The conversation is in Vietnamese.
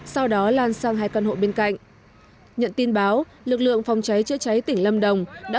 sau đó lan sang hai căn hộ bên cạnh nhận tin báo lực lượng phòng cháy chữa cháy tỉnh lâm đồng đã